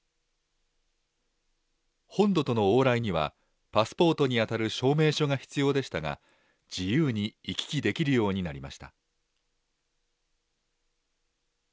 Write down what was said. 本土との往来には、パスポートに当たる証明書が必要でしたが、自由に行き来できるようになりました。